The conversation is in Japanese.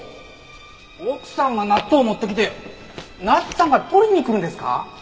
奥さんが納豆を持ってきて奈津さんが取りに来るんですか？